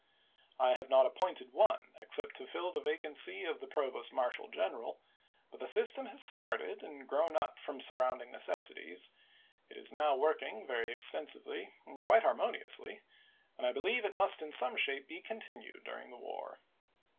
I have not appointed one, except to fill the vacancy of the provost marshal general ; but the system has started and grown up from surrounding necessities; it is now working very extensively and quite harmoniously, and I believe it must in some shape be continued during the war.